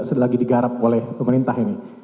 sedang lagi digarap oleh pemerintah ini